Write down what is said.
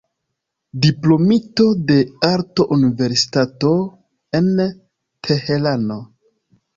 Diplomito de Arto-Universitato en Teherano.